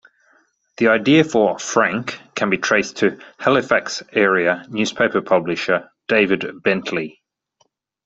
The idea for "Frank" can be traced to Halifax-area newspaper publisher David Bentley.